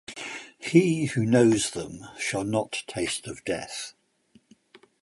He who knows them shall not taste of death.